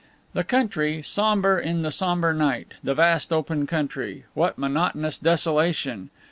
The country, somber in the somber night. The vast open country. What monotonous desolation!